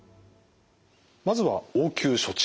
まずは応急処置。